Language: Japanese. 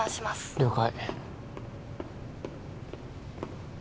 了解